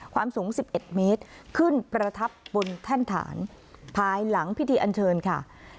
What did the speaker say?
ความสูง๑๑เมตรขึ้นประทับบนแท่นฐานภายหลังพิธีอันเชิญค่ะ